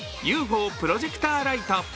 プロジェクターライト。